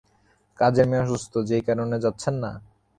কাজের মেয়ে অসুস্থ, সেই কারণে যাচ্ছেন না?